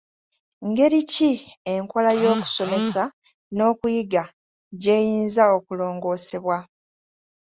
Ngeri ki enkola y'okusomesa n'okuyiga gy'eyinza okulongoosebwa?